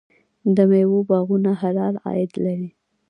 د میوو باغونه حلال عاید لري.